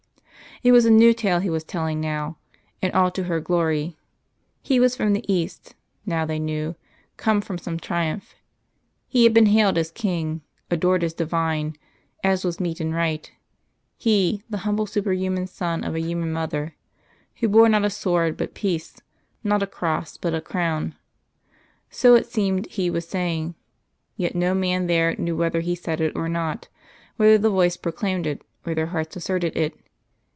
It was a new tale He was telling now, and all to her glory. He was from the East, now they knew, come from some triumph. He had been hailed as King, adored as Divine, as was meet and right He, the humble superhuman son of a Human Mother who bore not a sword but peace, not a cross but a crown. So it seemed He was saying; yet no man there knew whether He said it or not whether the voice proclaimed it, or their hearts asserted it.